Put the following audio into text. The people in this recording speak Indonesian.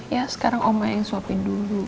ya sekarang oma yang suapin dulu